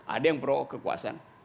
ada yang pro kekuasaan